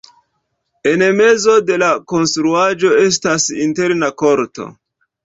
En mezo de la konstruaĵo estas interna korto.